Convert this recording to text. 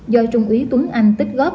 do trung úy tuấn anh tích góp